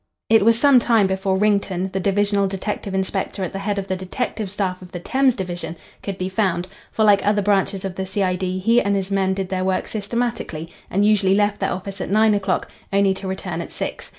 It was some time before Wrington, the divisional detective inspector at the head of the detective staff of the Thames Division, could be found, for like other branches of the C.I.D. he and his men did their work systematically, and usually left their office at nine o'clock only to return at six.